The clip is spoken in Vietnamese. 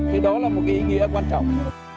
thì đó là một ý nghĩa quan trọng